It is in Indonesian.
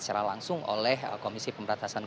secara langsung oleh komisi pemberantasan